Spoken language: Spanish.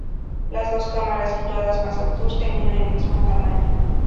Las dos cámaras situadas más al sur tenían el mismo tamaño.